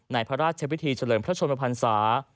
ในพระราชเฉพาะพิธีเฉลิมพระชนมพันษา